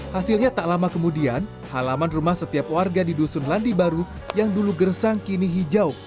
hasilnya tak lama kemudian halaman rumah setiap warga di dusun landi baru yang dulu gersang kini hijau